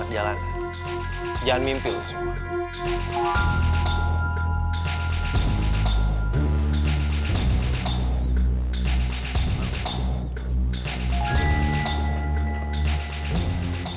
jangan mimpi lu semua